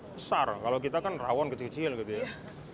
besar kalau kita kan rawon kecil kecil gitu ya